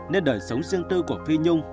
nên đời sống riêng tư của phi nhung